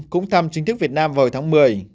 cũng thăm chính thức việt nam vào tháng một mươi